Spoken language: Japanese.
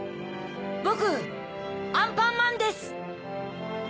ぼくアンパンマンです。